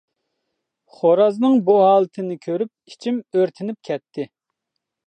خورازنىڭ بۇ ھالىتىنى كۆرۈپ ئىچىم ئۆرتىنىپ كەتتى.